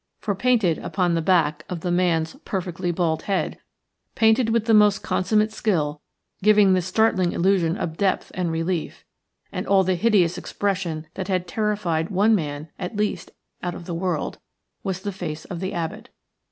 For, painted upon the back of the man's perfectly bald head, painted with the most consummate skill, giving the startling illusion of depth and relief, and all the hideous expression that had terrified one man at least out of the world, was the face of the abbot.